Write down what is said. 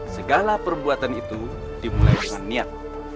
segala perbuatan itu dimulai dengan niat